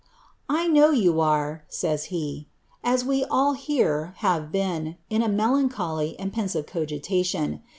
I know you'are," says be, " as we all hero have been, in a melancholy and pensive cogitation.